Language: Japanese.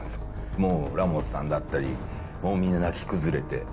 もうラモスさんだったり、もうみんな泣き崩れて。